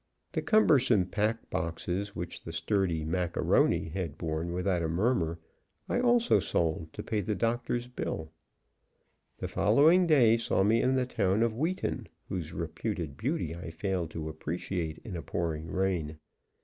The cumbersome pack boxes, which the sturdy Mac A'Rony had borne without a murmur, I also sold to pay the doctor's bill. The following day saw me in the town of Wheaton, whose reputed beauty I failed to appreciate in a pouring rain.